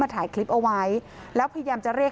ถ่ายคลิปเอาไว้แล้วพยายามจะเรียก